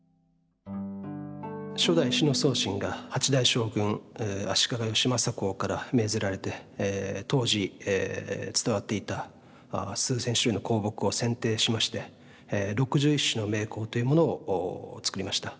初代志野宗信が８代将軍足利義政公から命ぜられて当時伝わっていた数千種類の香木を選定しまして６１種の名香というものを作りました。